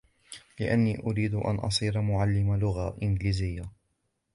لأني أريد أن أصير معلم لغة إنجليزية.